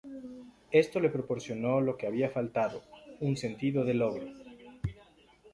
Esto le proporcionó lo que había faltado; un sentido de logro.